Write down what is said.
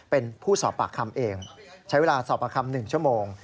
เป็นผู้สอบปากคำเองใช้เวลาสอบประคำ๑ชั่วโมง